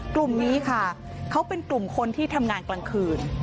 กลุ่มนี้ค่ะเขาเป็นกลุ่มคนที่ทำงานกลางคืน